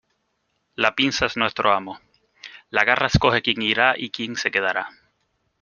La pinza es nuestro amo. La garra escoge quién irá y quien se quedará .